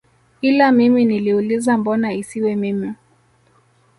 Ila mimi niliuliza mbona isiwe mimi